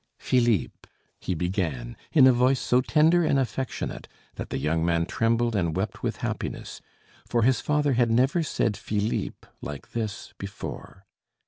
"Philippe," he began, in a voice so tender and affectionate that the young man trembled and wept with happiness, for his father had never said "Philippe" like this before.